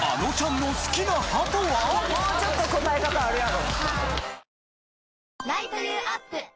もうちょっと答え方あるやろ。